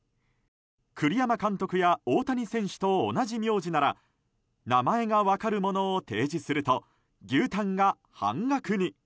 栗山監督や大谷選手と同じ名字なら名前が分かるものを提示すると牛タンが半額に。